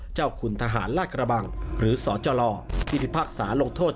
เจ้าคุณทหารลาดกระบังหรือสจที่พิพากษาลงโทษ